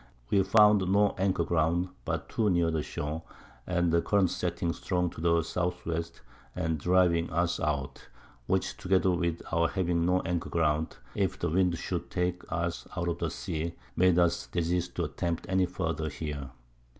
We found no Anchor ground, but too near the Shore, and the Current setting strong to the S. W. and driving us out; which together with our having no Anchor ground, if the Wind should take us out of the Sea, made us desist to attempt any farther here.